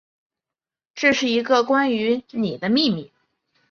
这是一个关于妳的秘密